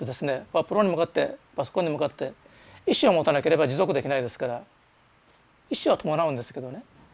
ワープロに向かってパソコンに向かって意志を持たなければ持続できないですから意志は伴うんですけどね。